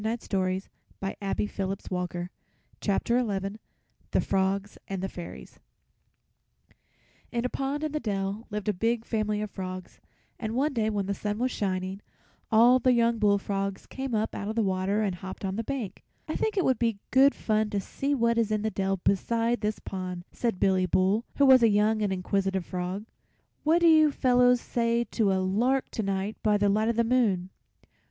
THE FROGS AND THE FAIRIES [Illustration: The Frogs and the fairies] In a pond in a dell lived a big family of frogs, and one day when the sun was shining all the young bullfrogs came up out of the water and hopped on the bank. "I think it would be good fun to see what is in the dell beside this pond," said Billy Bull, who was a young and inquisitive frog. "What do you fellows say to a lark to night by the light of the moon?"